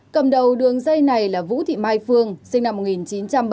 cầm đầu đường dây này là vũ thị mai phương sinh năm một nghìn chín trăm bảy mươi